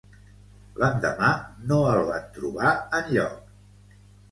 L'endemà no el van trobar enlloc.